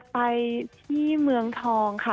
ไปที่เมืองทองค่ะ